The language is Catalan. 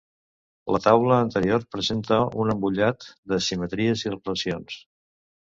La taula anterior presenta un embullat de simetries i relacions.